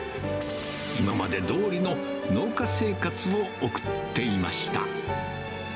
今までどおりの農家生活を送っていました。